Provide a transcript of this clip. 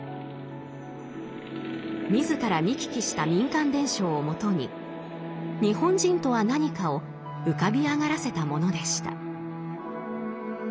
自ら見聞きした民間伝承をもとに日本人とは何かを浮かび上がらせたものでした。